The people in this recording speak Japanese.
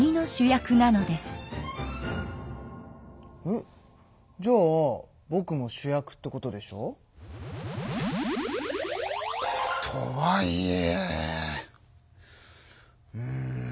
んっじゃあぼくも主役ってことでしょ？とはいえ。